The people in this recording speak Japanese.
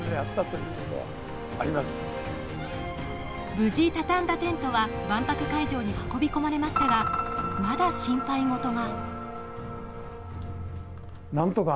無事たたんだテントは万博会場に運び込まれましたがまだ心配ごとが。